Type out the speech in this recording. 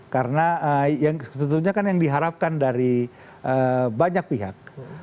karena yang sebetulnya kan yang diharapkan dari banyak pihak